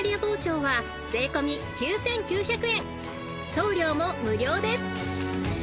［送料も無料です］